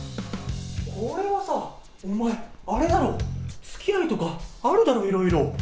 これはさ、お前、あれだろ、つきあいとかあるだろう、いろいろ。